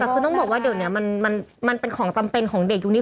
แต่คือต้องบอกว่าเดี๋ยวนี้มันเป็นของจำเป็นของเด็กยุคนี้